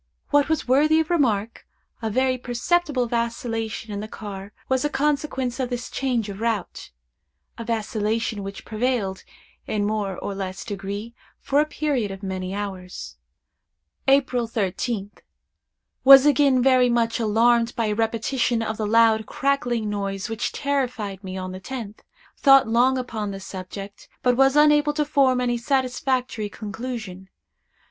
What was worthy of remark, a very perceptible vacillation in the car was a consequence of this change of route—a vacillation which prevailed, in a more or less degree, for a period of many hours. "April 13th. Was again very much alarmed by a repetition of the loud, crackling noise which terrified me on the tenth. Thought long upon the subject, but was unable to form any satisfactory conclusion.